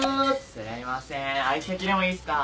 すいません相席でもいいっすか？